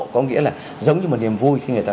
có nghĩa là giống như một niềm vui khi người ta